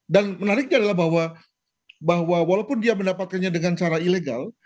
dan menariknya adalah bahwa walaupun dia mendapatkannya dengan cara ilegal